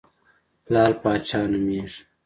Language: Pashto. لعل پاچا نومېږم.